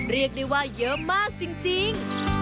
เรียกได้ว่าเยอะมากจริง